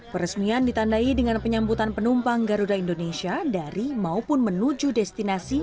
peresmian ditandai dengan penyambutan penumpang garuda indonesia dari maupun menuju destinasi